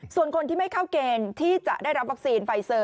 ส่วนคนที่ไม่เข้าเกณฑ์ที่จะได้รับวัคซีนไฟเซอร์